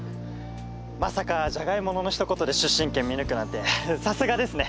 まさか「じゃがいも」の一言で出身県見抜くなんてさすがですね！